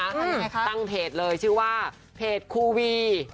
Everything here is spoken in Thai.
ทำยังไงคะตั้งเพจเลยชื่อว่าเพจคูวี